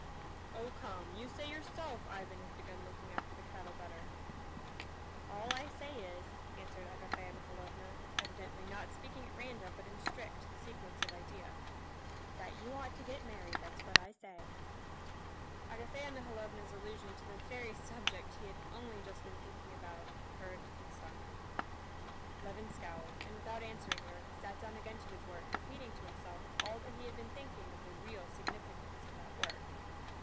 "Oh, come, you say yourself Ivan has begun looking after the cattle better." "All I say is," answered Agafea Mihalovna, evidently not speaking at random, but in strict sequence of idea, "that you ought to get married, that's what I say." Agafea Mihalovna's allusion to the very subject he had only just been thinking about, hurt and stung him. Levin scowled, and without answering her, he sat down again to his work, repeating to himself all that he had been thinking of the real significance of that work.